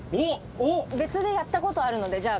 別でやった事あるのでじゃあ